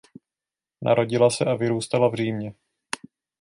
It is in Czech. Narodila se a vyrůstala v Římě.